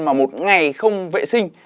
mà một ngày không vệ sinh